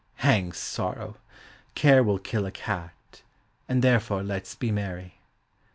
Hang sorrow! Care will kill a cat, And therefore let 's be merry.